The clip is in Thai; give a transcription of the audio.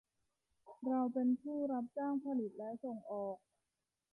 เราเป็นผู้รับจ้างผลิตและส่งออก